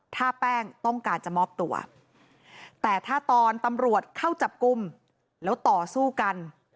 ถ้าแป้งต้องการจะมอบตัวแต่ถ้าตอนตำรวจเข้าจับกลุ่มแล้วต่อสู้กัน